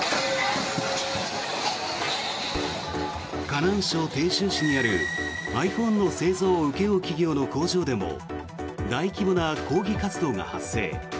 河南省鄭州市にあるｉＰｈｏｎｅの製造を請け負う企業の工場でも大規模な抗議活動が発生。